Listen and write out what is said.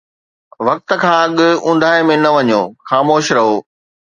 وقت کان اڳ اونداهيءَ ۾ نه وڃو، خاموش رهو